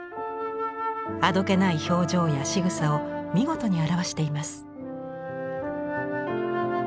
あどけない表情やしぐさを見事に表しています。